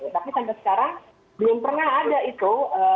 tapi sampai sekarang belum pernah ada itu